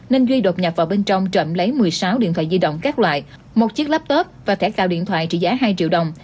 nên duy đột nhập vào bên trong trộm lấy một mươi sáu điện thoại di động các loại một chiếc laptop và thẻ cào điện thoại trị giá hai triệu đồng